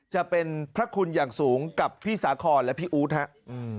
จะเป็นพระคุณอย่างสูงกับพี่สาคอนและพี่อู๊ดครับ